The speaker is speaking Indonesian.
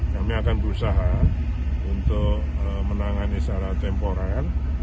kami akan berusaha untuk menangani secara temporer